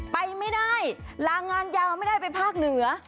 ไปไม่ได้ลางานยาวไม่ได้ไปภาคเหนือ